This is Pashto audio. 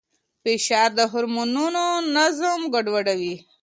فشار د هورمونونو نظم ګډوډوي.